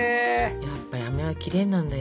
やっぱりあめはきれいなんだよ。